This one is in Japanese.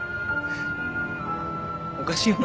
おかしいよな